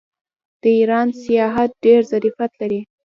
د ایران سیاحت ډیر ظرفیت لري.